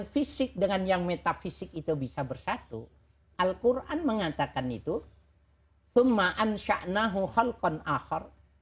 fisik dengan yang metafisik itu bisa bersatu alquran mengatakan itu sumaan sya'nahu kholqon akhor